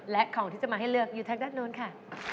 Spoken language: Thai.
และของที่จะมาให้เลือกอยู่ทางด้านโน้นค่ะ